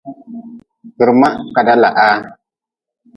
Kpirma kaeda lahaa.